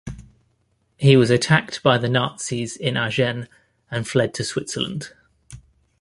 He was attacked by the Nazis in Agen, and fled to Switzerland.